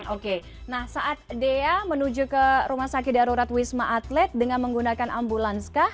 oke nah saat daya menuju ke rumah sakit darurat wisma atlet dengan menggunakan ambulanskah